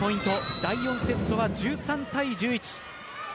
第４セットは１３対１１。